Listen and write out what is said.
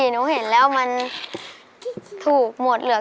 หนูเห็นแล้วมันถูกหมวดเหลือง